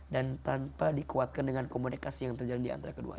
dan tanpa dikuatkan dengan komunikasi yang terjadi antara keduanya